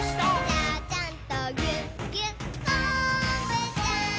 「ちゃちゃんとぎゅっぎゅっこんぶちゃん」